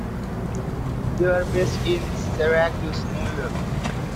They were based in Syracuse, New York.